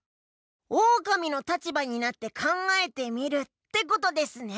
オオカミの立場になって考えてみるってことですね。